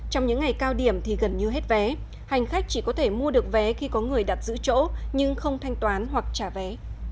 trong những ngày cao điểm thì gần như hết vé hành khách chỉ có thể mua được vé khi có người đặt giữ chỗ nhưng không thanh toán hoặc trả vé